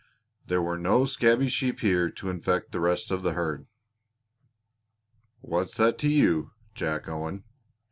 There were no scabby sheep here to infect the rest of the herd." "What's that to you, Jack Owen?